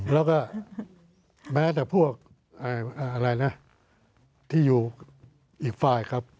แล้วก็แม้แต่พวกอะไรนะที่อยู่อีกฝ่ายครับ